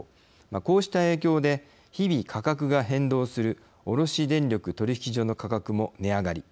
こうした影響で日々、価格が変動する卸電力取引所での価格も値上がり。